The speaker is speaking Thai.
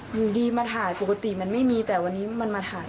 อยู่ดีมาถ่ายปกติมันไม่มีแต่วันนี้มันมาถ่าย